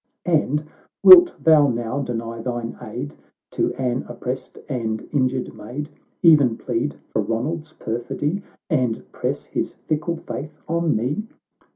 1 — And wilt thou now deny thine aid To an oppressed and injured maid, Even plead for Ronald's perfidy, And press his fickle faith on me